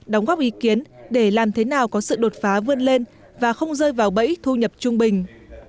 đóng góp ý kiến để làm thế nào có sự đột phá vươn lên và không rơi vào bẫy thu nhập trung bình